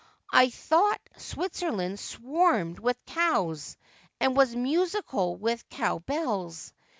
I thought Switzerland swarmed with cows, and was musical with cow 326 Asphodel. bells.